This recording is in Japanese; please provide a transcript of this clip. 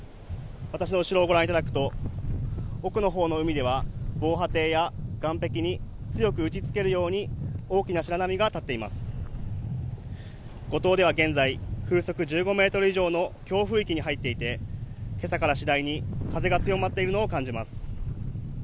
私の後ろをご覧いただくと奥のほうの海では防波堤や岸壁に強く打ちつけるように大きな白波が立っています五島では現在風速１５メートル以上の強風域に入っていて今朝から次第に風が強まっているのを感じます